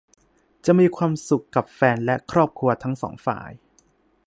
จะมีความสุขกับแฟนและครอบครัวทั้งสองฝ่าย